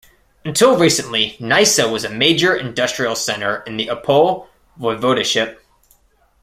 Until recently, Nysa was a major industrial centre in the Opole Voivodeship.